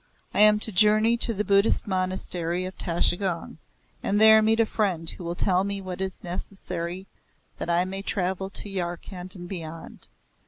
I am to journey to the Buddhist Monastery of Tashigong, and there meet a friend who will tell me what is necessary that I may travel to Yarkhand and beyond.